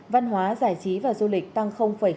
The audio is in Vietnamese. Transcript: văn hóa giải trí và du lịch tăng sáu